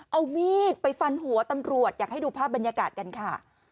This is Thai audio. เอามีดไปฟันหัวตำรวจอยากให้ดูภาพบรรยากาศกันค่ะ